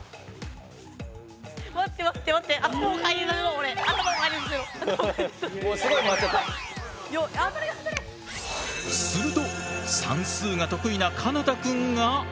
これはすると算数が得意な奏多くんが！？